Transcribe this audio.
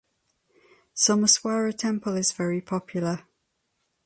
Someswara Temple is very popular.